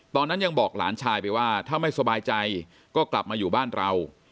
ตอนนั้นยังบอกหลานชายไปว่าถ้าไม่สบายใจก็กลับมาอยู่บ้านเรา